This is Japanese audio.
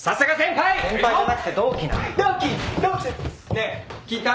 ねえ聞いた？